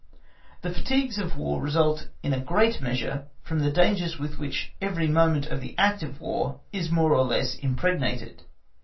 The fatigues of War result in a great measure from the dangers with which every moment of the act of War is more or less impregnated.